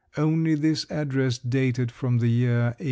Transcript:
Only this address dated from the year 1863.